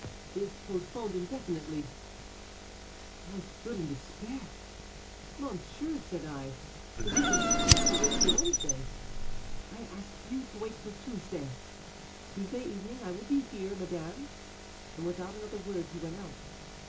'Is postponed indefinitely.' I stood in despair. 'Monsieur,' said I, 'the duke has promised to wait till Wednesday; I ask you to wait till Tuesday.' 'Tuesday evening I will be here, madame,' and without another word he went out.